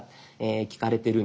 聞かれてるんです。